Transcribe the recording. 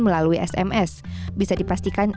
melalui sms bisa dipastikan